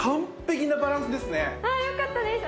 わぁよかったです。